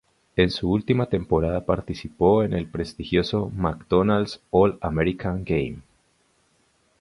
En su última temporada participó en el prestigioso McDonald's All American Game.